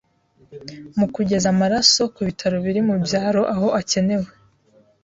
mu kugeza amaraso ku bitaro biri mu byaro aho akenewe